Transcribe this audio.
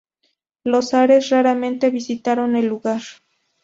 Los zares raramente visitaron el lugar.